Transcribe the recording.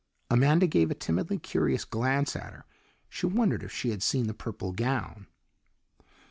Amanda gave a timidly curious glance at her; she wondered if she had seen the purple gown.